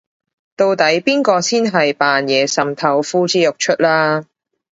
到底邊個先係扮嘢滲透呼之欲出啦